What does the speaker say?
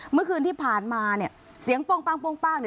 เมื่อคืนที่ผ่านมาเสียงโป้ง